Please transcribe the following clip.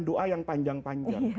doa yang panjang panjang